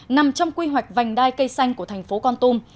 nằm trong quy hoạch vành đai cây xanh của thành phố con tum